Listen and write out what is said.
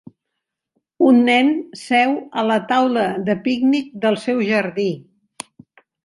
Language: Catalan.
Un nen seu a la taula de pícnic del seu jardí